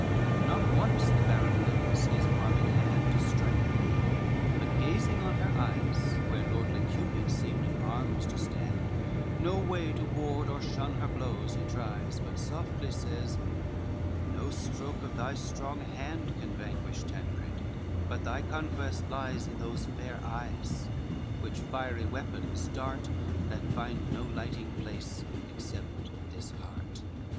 XXIV Not once the baron lifts his armed hand To strike the maid, but gazing on her eyes, Where lordly Cupid seemed in arms to stand, No way to ward or shun her blows he tries; But softly says, "No stroke of thy strong hand Can vanquish Tancred, but thy conquest lies In those fair eyes, which fiery weapons dart, That find no lighting place except this heart."